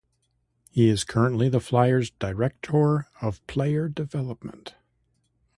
He is currently the Flyers Director of Player Development.